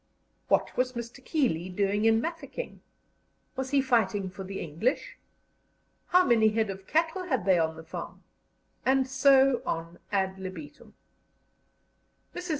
What was Mr. Keeley doing in Mafeking? Was he fighting for the English? How many head of cattle had they on the farm? And so on ad libitum. Mrs.